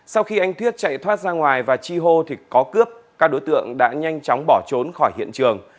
sau khi anh thuyết chạy thoát ra ngoài và chi hô thì có cướp các đối tượng đã nhanh chóng bỏ trốn khỏi hiện trường